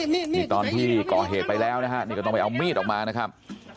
นี่ตอนที่ก่อเหตุไปแล้วนะฮะนี่ก็ต้องไปเอามีดออกมานะครับ